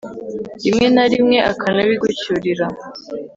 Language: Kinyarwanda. rimwe na rimwe akanabigucyurira